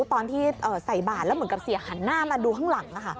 ตอนที่ใส่บาทแล้วเหมือนกับเสียหันหน้ามาดูข้างหลัง